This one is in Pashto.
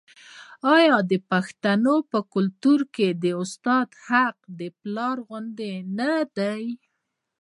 آیا د پښتنو په کلتور کې د استاد حق د پلار غوندې نه دی؟